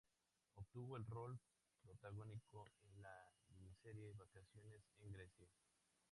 Obtuvo el rol protagónico en la miniserie Vacaciones en Grecia.